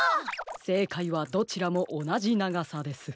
せいかいはどちらもおなじながさです。